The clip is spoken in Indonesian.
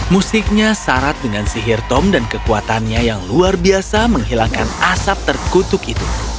musiknya syarat dengan sihir tom dan kekuatannya yang luar biasa menghilangkan asap terkutuk itu